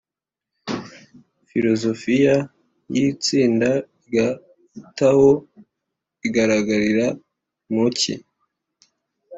filozofiya y’itsinda rya tao igaragarira mu ki?